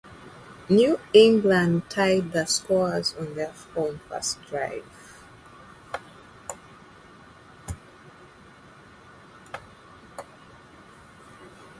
New England tied the scores on their own first drive.